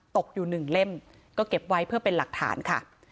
ตกอยู่หนึ่งเล่มก็เก็บไว้เพื่อเป็นหลักฐานค่ะ